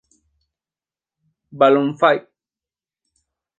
Balloon Fight".